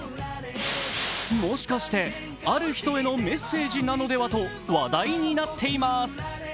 もしかしてある人へのメッセージなのではと話題になっています。